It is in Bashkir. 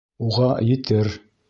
— Уға етер.